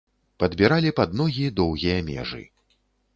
Падбіралі пад ногі доўгія межы.